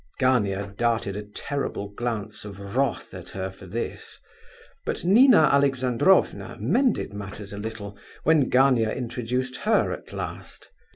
Gania darted a terrible glance of wrath at her for this, but Nina Alexandrovna mended matters a little when Gania introduced her at last.